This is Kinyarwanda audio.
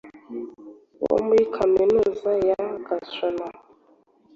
wo muri Kaminuza ya Gachon.